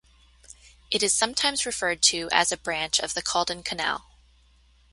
It is sometimes referred to as a branch of the Caldon Canal.